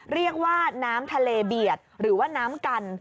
เรียกว่าน้ำทะเลเบียดหรือว่าน้ำกัน